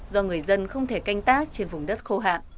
do người dân không thể canh tác trên vùng đất khô hạn